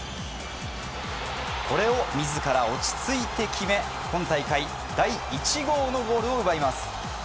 これを自ら落ち着いて決め今大会第１号のゴールを奪います。